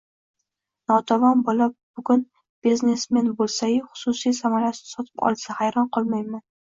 notavon bola bugun “biznesmen”bo’lsa-yu, xususiy samolyot sotib olsa, hayron qolmayman.